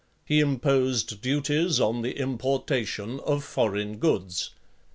He imposed duties on the importation of foreign goods.